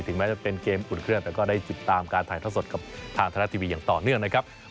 แม้จะเป็นเกมอุ่นเครื่องแต่ก็ได้ติดตามการถ่ายทอดสดกับทางไทยรัฐทีวีอย่างต่อเนื่องนะครับ